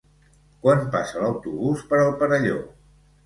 Quan passa l'autobús per el Perelló?